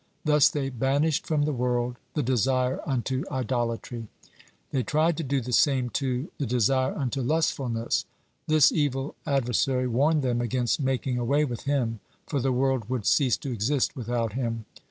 Thus they banished from the world "the desire unto idolatry." They tried to do the same to "the desire unto lustfulness." This evil adversary warned them against making away with him, for the world would cease to exist without him.